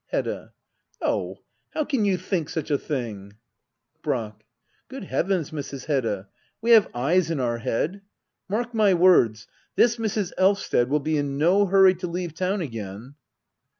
Hedda. Oh, how can you think such a thing ! Brack. Good heavens, Mrs. Hedda — we have eyes in our head. Mark my words ! This Mrs. Elvsted will be in no hurry to leave town again.